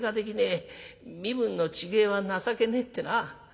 身分の違えは情けねえってな